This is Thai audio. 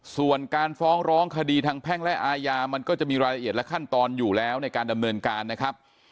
ส่วนการฟ้องร้องคดีทางแพ่งและอาญามันก็จะมีรายละเอียดและขั้นตอนอยู่แล้วในการดำเนินการนะครับ